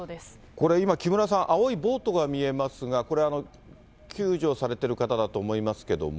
これ、今、木村さん、青いボートが見えますが、これ、救助されてる方だと思いますけれども。